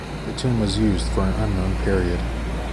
The tomb was used for an unknown period.